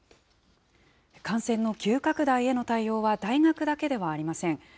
感染の急拡大への対応は大学だけではありません。